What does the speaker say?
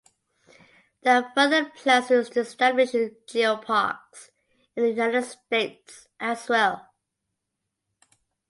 There are further plans to establish geoparks in the United States as well.